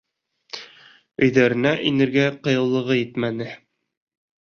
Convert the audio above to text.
Өйҙәренә инергә ҡыйыулығы етмәне.